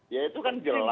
ya itu kan jelas ya